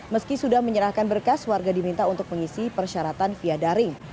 meski sudah menyerahkan berkas warga diminta untuk mengisi persyaratan via daring